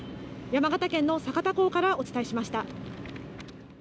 山形県の酒田港からお伝えしました。